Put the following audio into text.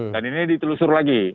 dan ini ditelusur lagi